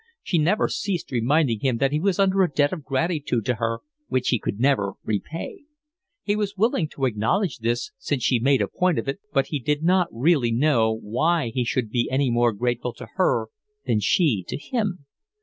She never ceased reminding him that he was under a debt of gratitude to her which he could never repay. He was willing to acknowledge this since she made a point of it, but he did not really know why he should be any more grateful to her than she to him.